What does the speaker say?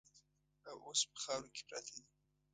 او اوس په خاورو کې پراته دي.